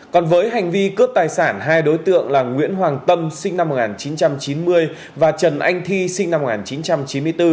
còn với hành vi cướp tài sản hai đối tượng là nguyễn hoàng tâm sinh năm một nghìn chín trăm chín mươi và trần anh thi sinh năm một nghìn chín trăm chín mươi bốn